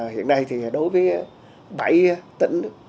hiện nay thì đối với bảy tỉnh